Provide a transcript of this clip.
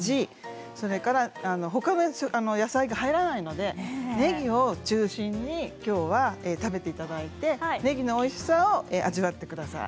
それからほかの野菜が入らないのでねぎを中心にきょうは食べていただいてねぎのおいしさを味わってください。